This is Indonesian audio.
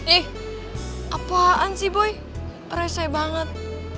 eh apaan sih boy reset banget